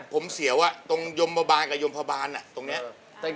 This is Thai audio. ผมเสียว่าตรงยมบาบาลกับยมพบาลตรงนี้